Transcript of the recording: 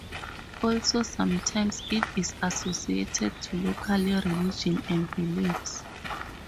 Also, sometimes it is associated to local religion and beliefs.